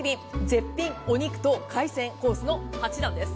絶品お肉と海鮮コースの８弾です。